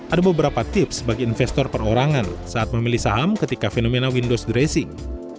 ada beberapa tips bagi investor perorangan saat memilih saham ketika fenomena windows dressing